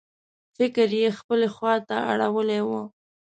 فکر یې خپلې خواته اړولی و.